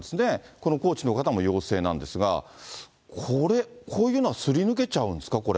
このコーチの方も陽性なんですが、これ、こういうのはすり抜けちゃうんですか、これ。